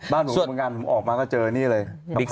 บ้านหนูเหมือนกันออกมาก็เจอนี่เลย